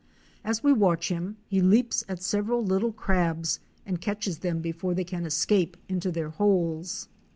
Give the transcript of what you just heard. As we watch him he leaps at several little crabs and catches them before they can escape into their holes.